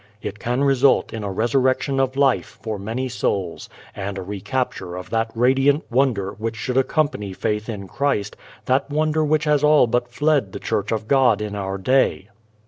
It can result in a resurrection of life for many souls and a recapture of that radiant wonder which should accompany faith in Christ, that wonder which has all but fled the Church of God in our day.